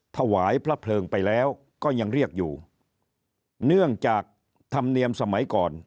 ถวายพระเพลิงไปแล้วก็ยังเรียกอยู่เนื่องจากธรรมเนียมสมัยก่อน